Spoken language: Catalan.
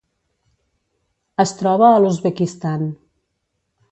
Es troba a l'Uzbekistan.